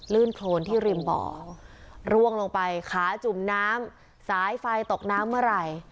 โครนที่ริมบ่อร่วงลงไปขาจุ่มน้ำสายไฟตกน้ำเมื่อไหร่